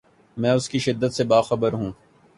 میں اس کی شدت سے باخبر ہوں۔